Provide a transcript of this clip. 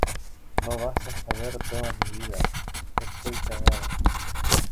no vas a saber toda mi vida. estoy cagado